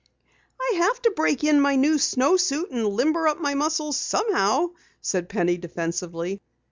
"I have to break in my new suit and limber up my muscles somehow," said Penny defensively.